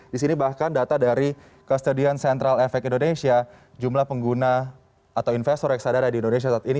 di sini bahkan data dari kesedihan central efek indonesia jumlah pengguna atau investor reksadara di indonesia saat ini